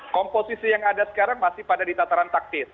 komposisi yang ada sekarang masih pada di tataran taktis